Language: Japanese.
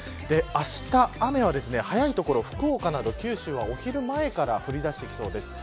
あした、雨は早い所福岡など九州は、お昼前から降りだしてきそうです。